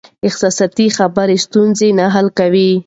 احساساتي خبرې ستونزې نه حل کوي.